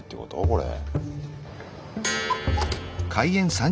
これ。